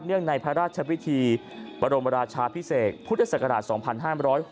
เนื่องในพระราชภิษฐีปรมราชภิเษษพุทธศักราช๒๕๖๒